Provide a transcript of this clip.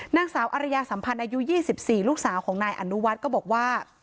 นางสาวอรยาสัมพันธ์อายุ๒๔ลูกสาวของนายอนุวัฒน์ก็บอกว่า